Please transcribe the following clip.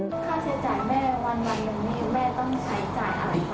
ค่าใช้จ่ายแม่วันหนึ่งนี่แม่ต้องใช้จ่ายอะไรคะ